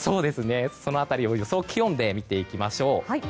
その辺りを予想気温で見ていきましょう。